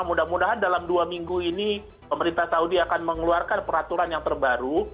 mudah mudahan dalam dua minggu ini pemerintah saudi akan mengeluarkan peraturan yang terbaru